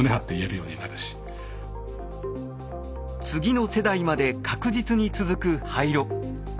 次の世代まで確実に続く廃炉。